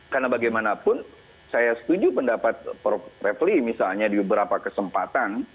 karena bagaimanapun saya setuju pendapat prof refli misalnya di beberapa kesempatan